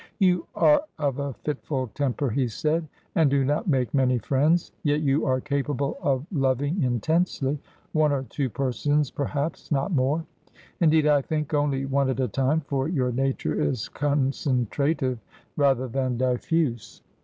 ' You are of a fitful temper,' he said, ' and do not make many friends. Yet you are capable of loving intensely — one or two persons perhaps, not more ; indeed, I think only one at a time, for your nature is concentrative rather than diffuse.'